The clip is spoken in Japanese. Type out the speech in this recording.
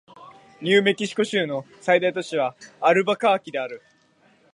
ニューメキシコ州の最大都市はアルバカーキである